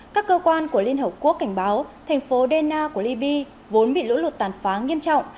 các cơ quan của liên hợp quốc cảnh báo thành phố denna của libya vốn bị lũ lụt tàn phá nghiêm trọng